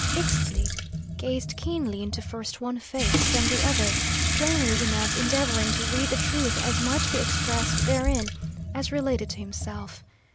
Ixtli gazed keenly into first one face, then the other, plainly enough endeavouring to read the truth as might be expressed therein, as related to himself.